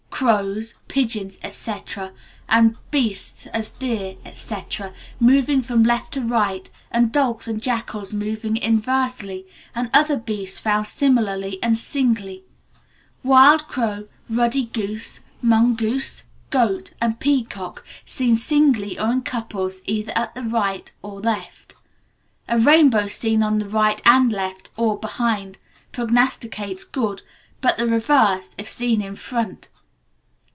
Crows, pigeons, etc., and beasts as deer, etc., moving from left to right, and dogs and jackals moving inversely, and other beasts found similarly and singly; wild crow, ruddy goose, mungoose, goat, and peacock seen singly or in couples either at the right or left. A rainbow seen on the right and left, or behind, prognosticates good, but the reverse if seen in front.